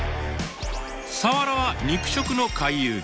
サワラは肉食の回遊魚。